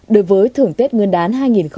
đối với thưởng tết nguyên đán hai nghìn hai mươi